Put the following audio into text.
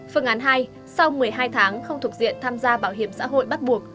phương án hai sau một mươi hai tháng không thuộc diện tham gia bảo hiểm xã hội bắt buộc